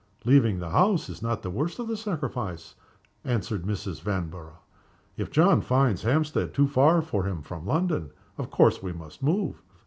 "Leaving the house is not the worst of the sacrifice," answered Mrs. Vanborough. "If John finds Hampstead too far for him from London, of course we must move.